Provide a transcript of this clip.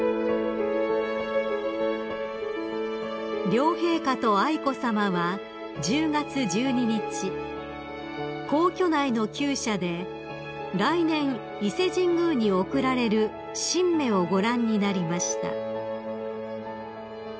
［両陛下と愛子さまは１０月１２日皇居内の厩舎で来年伊勢神宮に贈られる神馬をご覧になりました］